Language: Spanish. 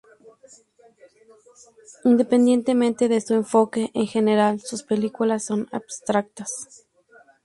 Independientemente de su enfoque, en general, sus películas son abstractas.